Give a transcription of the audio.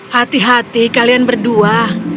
hati hati kalian berdua